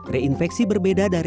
reinfeksi berbeda dari repositori